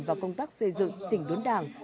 vào công tác xây dựng chỉnh đốn đảng